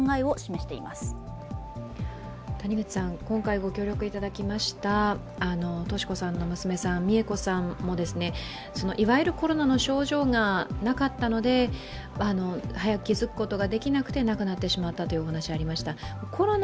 今回ご協力いただきました利子さんの娘、美枝子さんもいわゆるコロナの症状がなかったので早く気付くことができなくて亡くなってしまったというお話がありました。